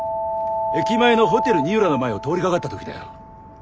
駅前のホテル二浦の前を通りかかった時だよ。